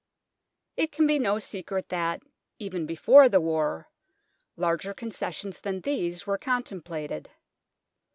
It can be no secret that, even before the war, larger concessions than these were contemplated.